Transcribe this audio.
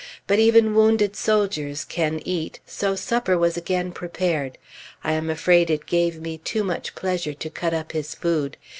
But even wounded soldiers can eat; so supper was again prepared. I am afraid it gave me too much pleasure to cut up his food.